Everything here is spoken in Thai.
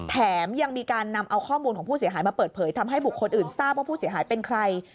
แถมยังมีการนำเอาข้อมูลของผู้เสียหายมาเปิดเผยทำให้บุคคลอื่นทราบว่าผู้เสียหายเป็นใคร